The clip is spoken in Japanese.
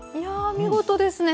見事ですね。